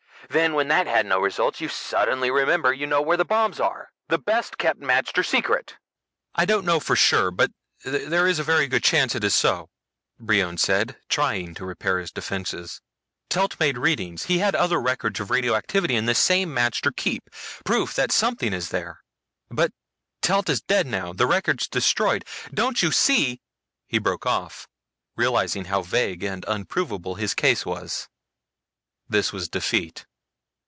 Then, when that had no results, you suddenly remember that you know where the bombs are. The best kept magter secret." "I don't know for sure, but there is a very good chance it is so," Brion said, trying to repair his defenses. "Telt made readings, he had other records of radioactivity in this same magter keep proof that something is there. But Telt is dead now, the records destroyed. Don't you see " He broke off, realizing how vague and unprovable his case was. This was defeat.